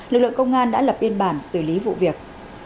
lực lượng công an đã lập biên bản xử lý vụ việc